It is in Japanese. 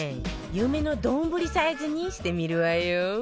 夢の丼サイズにしてみるわよ